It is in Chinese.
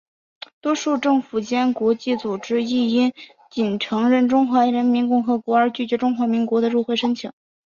多数政府间国际组织亦因仅承认中华人民共和国而拒绝中华民国的入会申请。